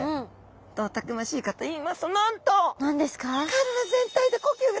どうたくましいかといいますとなんと！何ですか？